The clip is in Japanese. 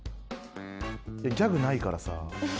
ギャグないからさ。